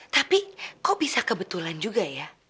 tapi kok bisa kebetulan juga ya